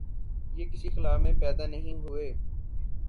یہ کسی خلا میں پیدا نہیں ہوئے۔